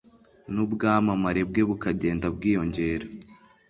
n’ubwamamare bwe bukagenda bwiyongera